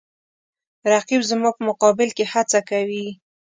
رقیب زما په مقابل کې هڅه کوي